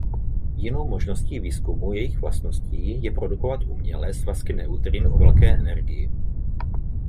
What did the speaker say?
Jinou možností výzkumu jejich vlastností je produkovat uměle svazky neutrin o velké energii.